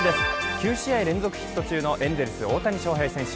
９試合連続ヒット中のエンゼルス・大谷翔平選手。